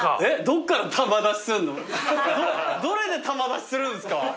どれで珠出しするんですか？